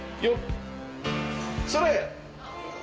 それ。